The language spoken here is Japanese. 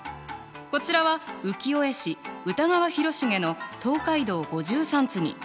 こちらは浮世絵師歌川広重の「東海道五十三次」。